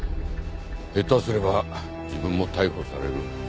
下手すれば自分も逮捕されるのに。